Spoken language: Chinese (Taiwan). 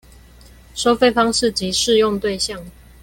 收費方式及適用對象